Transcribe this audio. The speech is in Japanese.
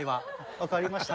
分かりました。